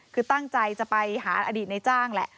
คือตั้งใจจะไปหาอดีตในจ้างแหละ